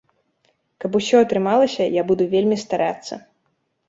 Каб усё атрымалася, я буду вельмі старацца.